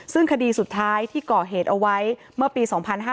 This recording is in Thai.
ซึ่งคดีสุดท้ายที่ก่อเหตุเอาไว้เมื่อปี๒๕๕๙